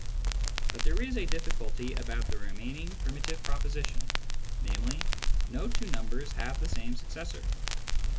But there is a difficulty about the remaining primitive proposition, namely, " no two numbers have the same successor."